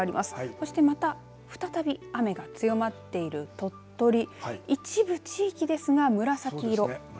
そしてまた再び雨が強まっている鳥取、一部地域ですが紫色。